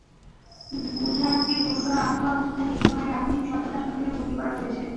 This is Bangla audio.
বুধারুকে গুরুতর আহত অবস্থায় নীলফামারী আধুনিক সদর হাসপাতালে ভর্তি করা হয়েছে।